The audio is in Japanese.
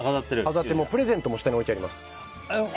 もうプレゼントも下に置いてあります。